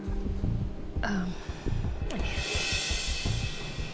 tolong sampaikan ke jessica anabella